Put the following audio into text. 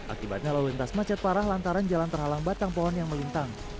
akibatnya lalu lintas macet parah lantaran jalan terhalang batang pohon yang melintang